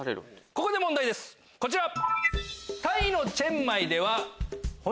ここで問題ですこちら。